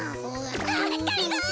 あっがりぞー！